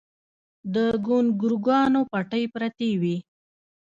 د ګونګروګانو پټۍ پرتې وې